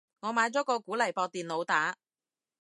我買咗個鼓嚟駁電腦打